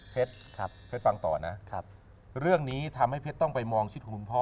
เพชรเพชรฟังต่อนะครับเรื่องนี้ทำให้เพชรต้องไปมองชิดคุณพ่อ